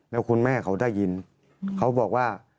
แล้วคุณแม่เขาได้ยินเขาบอกว่า